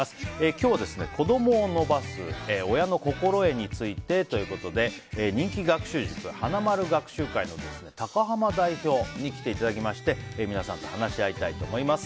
今日は子供を伸ばす親の心得についてということで人気学習塾、花まる学習会の高濱代表に来ていただきまして皆さんと話し合いたいと思います。